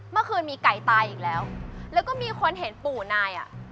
เมื่อคืนมีไก่ตายอีกแล้วแล้วก็มีคนเห็นปู่นายอ่ะ